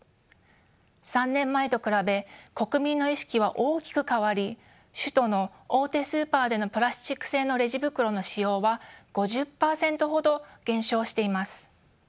３年前と比べ国民の意識は大きく変わり首都の大手スーパーでのプラスチック製のレジ袋の使用は５０％ほど減少しています。